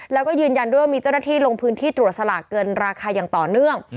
แล้วก็ยืนยันด้วยว่ามีเจ้าหน้าที่ลงพื้นที่ตรวจสลากเกินราคาอย่างต่อเนื่อง